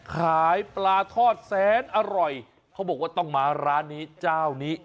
ขายปลาทอดแสนอร่อยเขาบอกว่าต้องมาร้านนี้เจ้านี้